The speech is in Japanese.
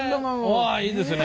うわいいですね。